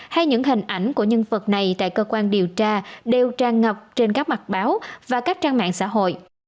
hay những hình ảnh của nhân vật này tại cơ quan điều tra đều tràn ngập trên các mặt báo và các trang mạng xã hội